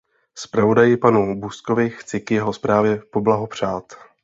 Zpravodaji panu Buskovi chci k jeho zprávě poblahopřát.